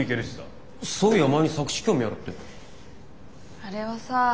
あれはさ